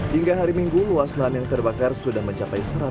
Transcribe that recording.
hingga hari minggu luas lahan yang terbakar sudah mencapai satu ratus lima puluh